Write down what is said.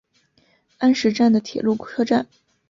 安食站的铁路车站。